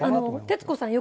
「徹子さん